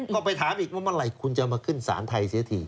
ก็ไปถามอีกว่าเมื่อไหร่คุณจะมาขึ้นศาลไทยเสียที